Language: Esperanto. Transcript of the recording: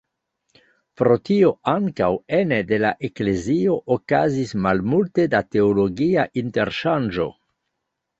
Pro tio ankaŭ ene de la eklezio okazis malmulte da teologia interŝanĝo.